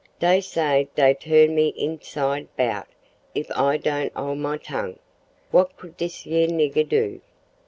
Dey say dey turn me hinside hout if I don't ole my tongue. What could dis yar nigger do?